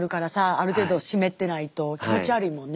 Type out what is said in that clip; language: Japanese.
ある程度湿ってないと気持ち悪いもんね。